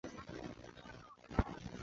刘图南为武进西营刘氏第十五世。